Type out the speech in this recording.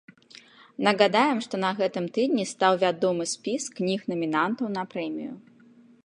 Нагадаем, што на гэтым тыдні стаў вядомы спіс кніг-намінантаў на прэмію.